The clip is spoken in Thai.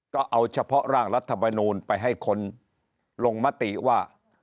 ก็เอาเฉพาะร่างรัฐมนูลไปให้คนลงมติว่า